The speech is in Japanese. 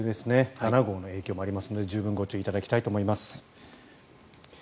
７号の影響もありますので十分ご注意いただきたいと思います。